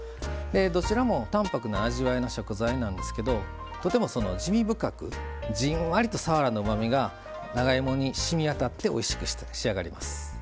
どちらも淡泊な味わいの食材なんですけどとても滋味深くじんわりとさわらのうまみが長芋にしみわたっておいしく仕上がります。